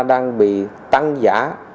đang bị tăng giá